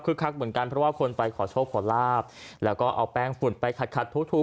เพราะว่าคนไปขอโชคขอราภแล้วก็เอาแป้งฝุ่นไปขัดถูก